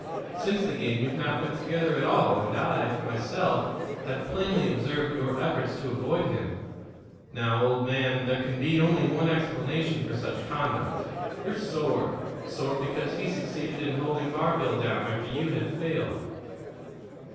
Since the game you've not been together at all, and I, myself, have plainly observed your efforts to avoid him. Now, old man, there can only be one explanation for such conduct: you're sore sore because he succeeded in holding Barville down after you had failed."